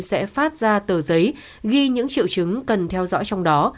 sẽ phát ra tờ giấy ghi những triệu chứng cần theo dõi trong đó